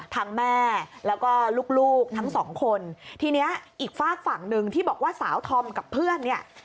แม่แล้วก็ลูกลูกทั้งสองคนทีเนี้ยอีกฝากฝั่งหนึ่งที่บอกว่าสาวธอมกับเพื่อนเนี่ย